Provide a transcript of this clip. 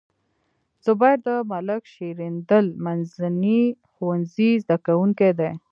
زبير د ملک شیریندل منځني ښوونځي زده کوونکی دی.